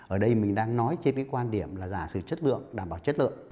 ở đây mình đang nói trên cái quan điểm là giả sử chất lượng đảm bảo chất lượng